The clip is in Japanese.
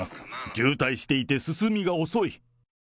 渋滞していて進みが遅い。